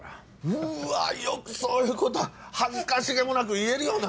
うわよくそういうこと恥ずかしげもなく言えるよな！